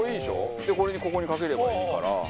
でこれにここにかければいいから。